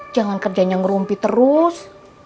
jangan kerjanya ngerumpi terus